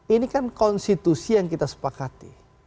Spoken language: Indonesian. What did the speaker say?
ini kan konstitusi yang kita sepakati